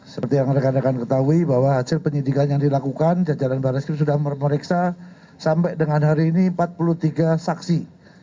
seperti yang rekan rekan ketahui bahwa hasil penyidikan yang dilakukan jajaran barat skrim sudah memeriksa sampai dengan hari ini empat puluh tiga saksi